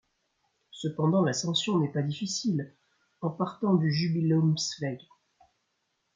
Cependant l'ascension n'est pas difficile en partant du Jubiläumsweg.